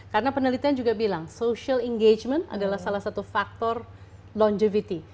karena penelitian juga bilang social engagement adalah salah satu faktor longevity